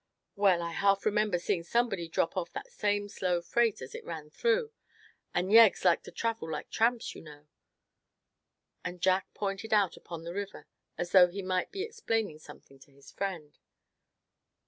"Well, I half remember seeing somebody drop off that same slow freight as it ran through; and yeggs like to travel like tramps, you know," and Jack pointed out upon the river, as though he might be explaining something to his friend.